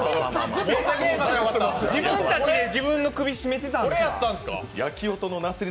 自分たちで自分の首絞めてたんですか？